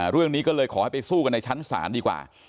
เรื่องนี้ก็เลยขอให้ไปสู้กันในชั้นศาลดีกว่า